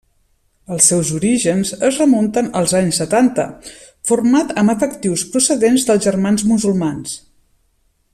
Els seus orígens es remunten als anys setanta, format amb efectius procedents dels Germans Musulmans.